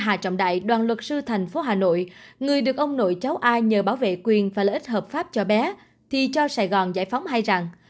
luật sư hà trọng đại đoàn luật sư thành phố hà nội người được ông nội cháu a nhờ bảo vệ quyền và lợi ích hợp pháp cho bé thì cho sài gòn giải phóng hay rằng